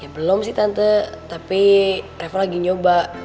belum sih tante tapi travel lagi nyoba